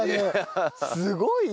すごいね！